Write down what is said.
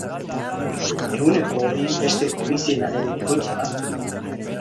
Ehuneko hori beste polizienaren bikoitza da.